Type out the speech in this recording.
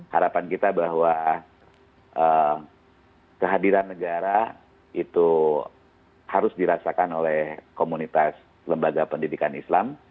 harapan kita bahwa kehadiran negara itu harus dirasakan oleh komunitas lembaga pendidikan islam